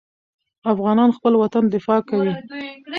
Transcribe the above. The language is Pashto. افغانان خپل وطن دفاع کوي.